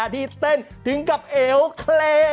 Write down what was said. ที่เต้นถึงกับเอวเคล